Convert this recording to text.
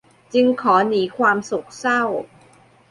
จึงขอหนีความโศกเศร้า